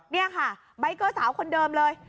นี่ค่ะใบเกอร์สาวคนเดิมเลย